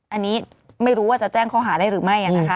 อันนี้ไม่รู้ว่าจะแจ้งข้อหาได้หรือไม่นะคะ